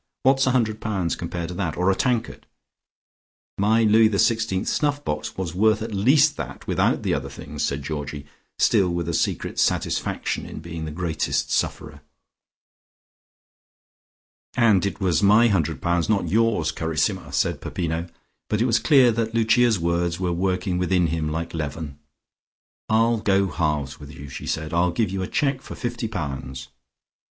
What's a hundred pounds compared to that, or a tankard " "My Louis XVI snuff box was worth at least that without the other things," said Georgie, still with a secret satisfaction in being the greatest sufferer. "And it was my hundred pounds, not yours, carissima," said Peppino. But it was clear that Lucia's words were working within him like leaven. "I'll go halves with you," she said. "I'll give you a cheque for fifty pounds."